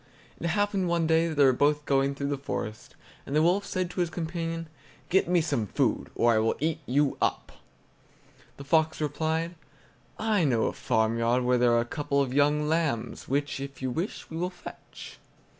It happened one day that they were both going through the forest, and the wolf said to his companion: "Get me some food, or I will eat you up." The fox replied: "I know a farmyard where there are a couple of young lambs, which, if you wish, we will fetch."